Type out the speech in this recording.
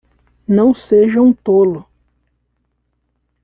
Não seja um tolo!